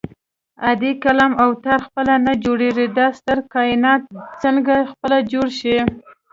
عادي قلم او تار خپله نه جوړېږي دا ستر کائنات څنګه خپله جوړ شي